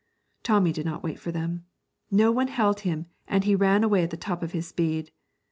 Tommy did not wait for them. No one held him, and he ran away at the top of his speed.